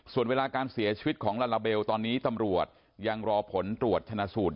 ส่วนเวลาการเสียชีวิตของลาลาเบลตอนนี้ตำรวจยังรอผลตรวจชนะสูตร